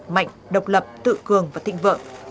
mạnh độc lập tự cường và thịnh vợ